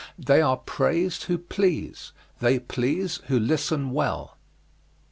They are praised who please: they please who listen well.